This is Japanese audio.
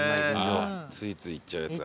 ついついいっちゃうやつだ。